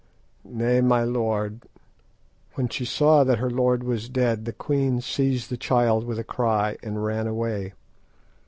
"Nay, my lord. When she saw that her lord was dead the queen seized the child with a cry and ran away.